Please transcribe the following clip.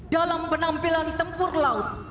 dalam penampilan tempur laut